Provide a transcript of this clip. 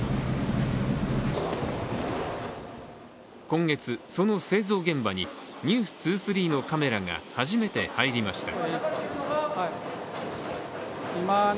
今月、その製造現場に「ｎｅｗｓ２３」のカメラが初めて入りました。